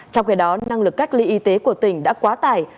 trong khi đó năng lực cách ly y tế của tỉnh đã quá tải